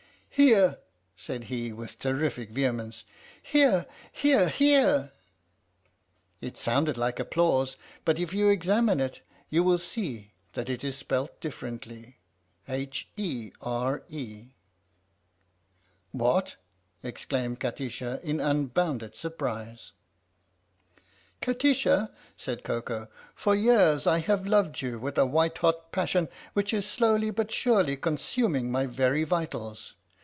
" Here! " said he with terrific vehemence. "Here here here! " (It sounded like applause, but if you examine it you will see that it is spelt differently.) 109 THE STORY OF THE MIKADO " What I !!" exclaimed Kati sha, in unbounded surprise. " Kati sha," said Koko, " for years I have loved you with a white hot passion which is slowly but surely consuming my very vitals!